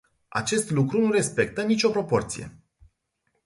Acest lucru nu respectă nicio proporție.